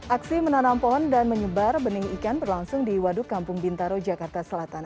aksi menanam pohon dan menyebar benih ikan berlangsung di waduk kampung bintaro jakarta selatan